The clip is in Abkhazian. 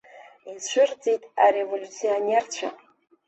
Ицәырҵит ареволиуционерцәа.